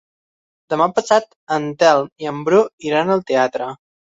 Demà passat en Telm i en Bru iran al teatre.